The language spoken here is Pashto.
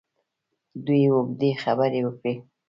دوی اوږدې خبرې وکړې.